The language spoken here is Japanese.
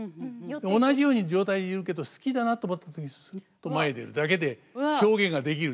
同じような状態でいるけど好きだなと思った時にすっと前へ出るだけで表現ができるという。